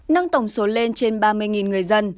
nâng tổng số lên trên ba mươi người dân